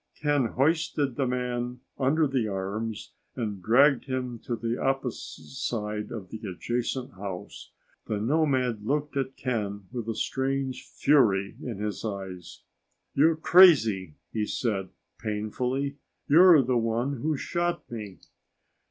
Ken hoisted the man under the arms and dragged him to the opposite side of the adjacent house. The nomad looked at Ken with a strange fury in his eyes. "You're crazy!" he said painfully. "You're the one who shot me?"